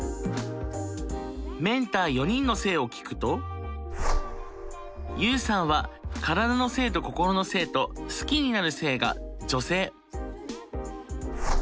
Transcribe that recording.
メンター４人の性を聞くとＵさんは体の性と心の性と好きになる性が女性。